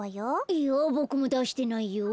いやぼくもだしてないよ。